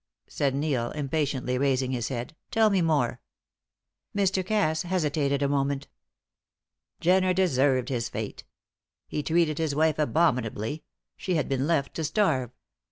said Neil, impatiently raising his head. "Tell me more." Mr. Cass hesitated a moment. "Jenner deserved his fate. He treated his wife abominably; she had been left to starve.